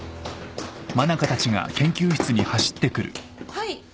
・はい。